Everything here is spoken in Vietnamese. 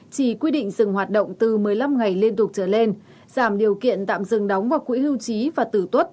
chỉ quy định dừng hoạt động từ một mươi năm ngày liên tục trở lên giảm điều kiện tạm dừng đóng vào quỹ hưu trí và tử tuất